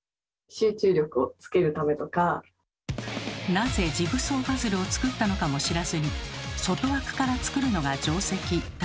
なぜジグソーパズルを作ったのかも知らずに「外枠から作るのが定石」だの。